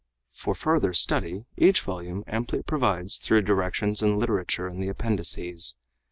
For further study each volume amply provides through directions and literature in the appendices.